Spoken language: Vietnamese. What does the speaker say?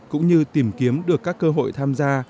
cũng như tìm kiếm được các cơ hội tham gia